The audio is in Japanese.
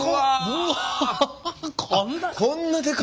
うわ！